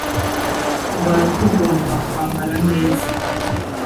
tuba tugomba kwambara neza